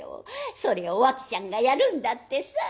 それをお秋ちゃんがやるんだってさ。